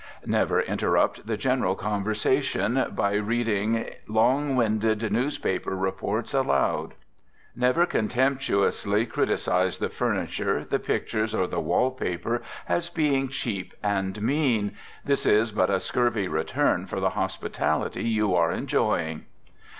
Never interrupt the general conversation by reading long winded newspaper reports aloud. Never contemptuously criticise the furniture, the pictures, or the wall paper as being cheap and mean. This is but a scurvy return for the hospitality you are enjoying.